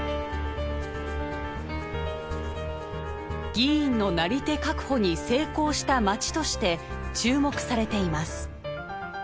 議員のなり手確保に成功した町として注目されています。